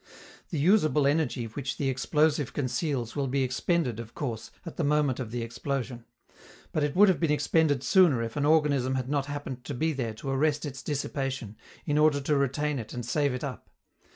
The usable energy which the explosive conceals will be expended, of course, at the moment of the explosion; but it would have been expended sooner if an organism had not happened to be there to arrest its dissipation, in order to retain it and save it up.